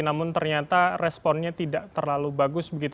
namun ternyata responnya tidak terlalu bagus begitu